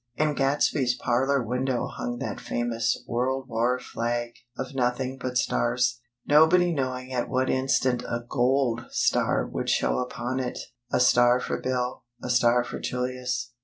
In Gadsby's parlor window hung that famous "World War flag" of nothing but stars; nobody knowing at what instant a gold star would show upon it. A star for Bill; a star for Julius.